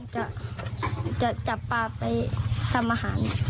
จะจับปลาไปทำอาหาร